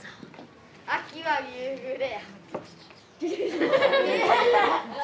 「秋は夕暮れ」。